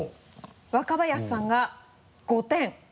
若林さんが５点。